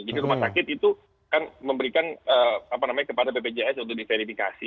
jadi rumah sakit itu kan memberikan kepada bpjs untuk diverifikasi